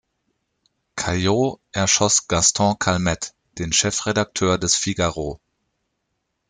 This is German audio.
Caillaux erschoss Gaston Calmette, den Chefredakteur des "Figaro".